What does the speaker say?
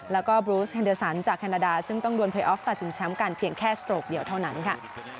แล้วก็แฮนเดอร์ซันจากแคนาดาซึ่งต้องด้วยตัดสุดแชมป์กันเพียงแค่เท่านั้นค่ะ